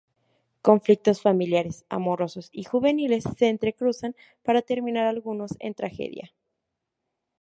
Conflictos familiares, amorosos y juveniles se entrecruzan para terminar algunos en tragedia.